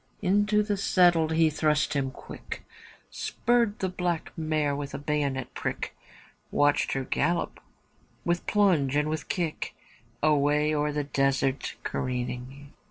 Into the saddle he thrust him quick, Spurred the black mare with a bayonet prick. Watched her gallop with plunge and with kick Away o'er the desert careering.